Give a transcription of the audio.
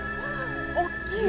おっきい！